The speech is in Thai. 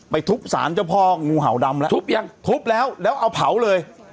ทุบสารเจ้าพ่องูเห่าดำแล้วทุบยังทุบแล้วแล้วเอาเผาเลย